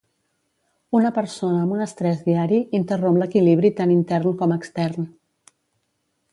Una persona amb un estrès diari interromp l'equilibri tant intern com extern